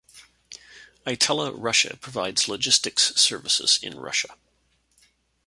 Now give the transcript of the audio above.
Itella Russia provides logistics services in Russia.